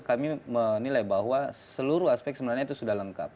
kami menilai bahwa seluruh aspek sebenarnya itu sudah lengkap